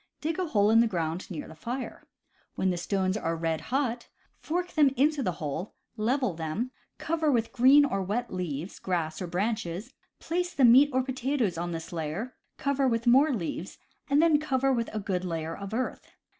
Dig a hole in the ground near the fire. When the stones are red hot, fork them into the hole, level them, cover with green or wet leaves, grass, or branches, place the meat or potatoes on this layer, cover with more leaves, and then cover all with a good layer of earth.